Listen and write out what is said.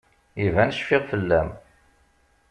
Iban cfiɣ fell-am.